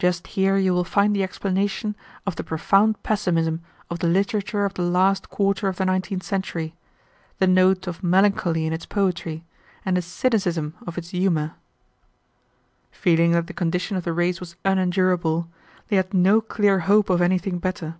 Just here you will find the explanation of the profound pessimism of the literature of the last quarter of the nineteenth century, the note of melancholy in its poetry, and the cynicism of its humor. "Feeling that the condition of the race was unendurable, they had no clear hope of anything better.